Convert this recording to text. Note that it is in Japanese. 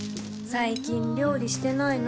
最近料理してないの？